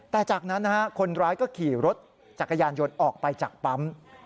แต่จากนั้นคนร้ายก็ขี่รถจักรยานยนต์ออกไปจากปั๊ม